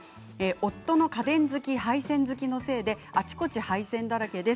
夫が家電好き、配線好きのせいであちこち配線だらけです。